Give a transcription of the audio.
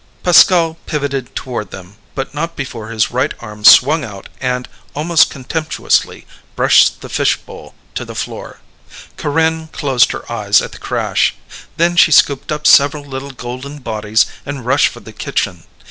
Pascal pivoted toward them, but not before his right arm swung out and, almost contemptuously, brushed the fishbowl to the floor. Corinne closed her eyes at the crash. Then she scooped up several little golden bodies and rushed for the kitchen.